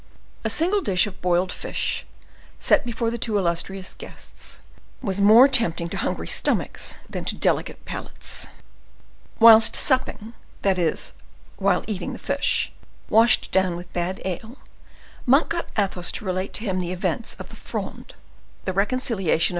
A single dish of boiled fish, set before the two illustrious guests, was more tempting to hungry stomachs than to delicate palates. Whilst supping, that is, while eating the fish, washed down with bad ale, Monk got Athos to relate to him the last events of the Fronde, the reconciliation of M.